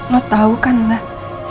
nau tau kan mbak